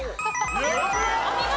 お見事！